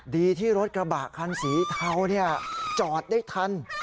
ดีที่รถกระบะคันสีเทาจอดได้ทัน